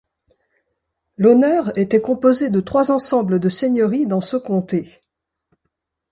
L'honneur était composé de trois ensembles de seigneuries dans ce comté.